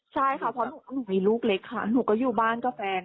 ใช่ค่ะเพราะหนูมีลูกเล็กค่ะหนูก็อยู่บ้านกับแฟน